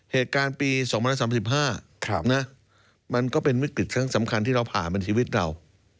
เหตุการณ์ปี๒๐๓๕มันก็เป็นวิกฤตครั้งสำคัญที่เราผ่ามันชีวิตเรา